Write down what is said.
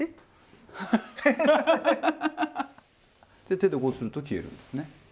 手でこうすると消えるんですね。